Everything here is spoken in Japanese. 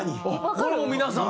これもう皆さん。